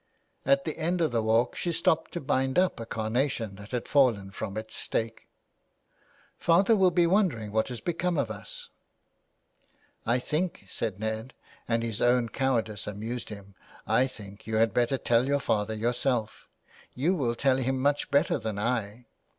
At the end of the walk she stopped to bind up a carnation that had fallen from its stake. " Father will be wondering what has become of us." *' I think," said Ned, and his own cowardice amused him, " I think you had better tell your father your self You will tell him much better than I."